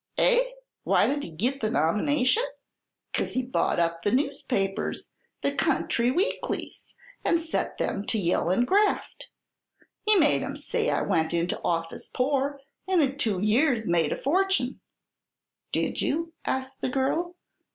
"Eh? Why did he git the nomination? 'Cause he bought up the newspapers the country weeklies and set them to yellin' 'graft.' He made 'em say I went into office poor, and in two years made a fortune." "Did you?" asked the girl.